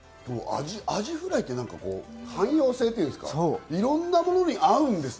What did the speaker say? アジフライってなんか汎用性というか、いろんなものに合うんですね。